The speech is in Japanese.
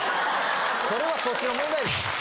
それはそっちの問題でしょ。